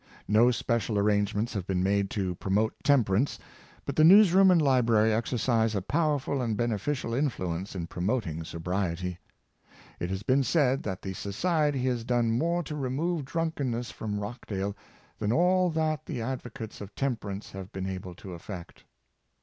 No special ar rangements have been made to promote temperance; but the news room and library exercise a powerful and beneficial influence in promoting sobriety. It has been said that the society has done more to remove drunk enness from Rochdale than all that the advocates of temperance have been able to effect.